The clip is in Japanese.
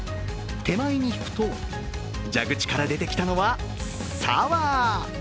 手前に引くと、蛇口から出てきたのはサワー。